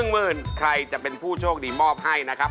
๑๐๐๐๐บาทใครจะเป็นผู้โชคดีมอบให้นะครับ